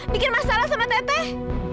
bikin masalah sama teteh